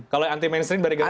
kalau anti mainstream dari garuda